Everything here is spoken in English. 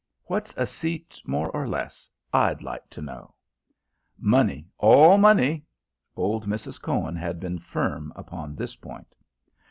"What's a seat more or less, I'd like to know?" "Money, all money." Old Mrs. Cohen had been firm upon this point.